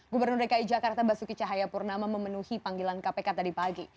gubernur dki jakarta basuki cahayapurnama memenuhi panggilan kpk tadi pagi